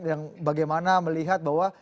yang bagaimana melihat bahwa